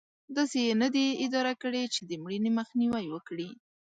داسې یې نه دي اداره کړې چې د مړینې مخنیوی وکړي.